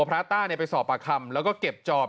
พระต้าไปสอบปากคำแล้วก็เก็บจอบ